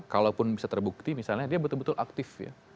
kalaupun bisa terbukti misalnya dia betul betul aktif ya